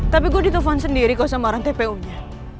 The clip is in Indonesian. tapi gue ditelfon sendiri sama orang tpu nya